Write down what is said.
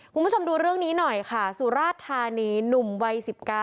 คุณผู้ชมดูเรื่องนี้หน่อยค่ะสุราชธานีหนุ่มวัย๑๙